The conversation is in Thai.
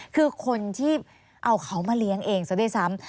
คือคนที่เอาเขามาเลี้ยงเองซะด้วยซ้ำ